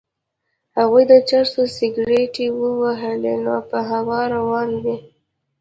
هغوی د چرسو سګرټی ووهي نو په هوا روان وي.